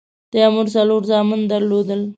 تیمور څلور زامن درلودل.